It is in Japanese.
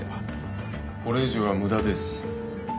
これ以上は無駄です。